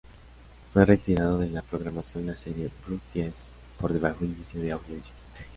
Fue retirado de la programación la serie "Blood Ties", por bajo índice de audiencia.